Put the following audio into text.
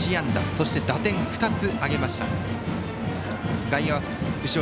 そして打点２つ挙げました。